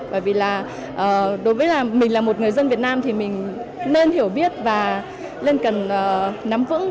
bởi vì là đối với mình là một người dân việt nam thì mình nên hiểu biết và nên cần nắm vững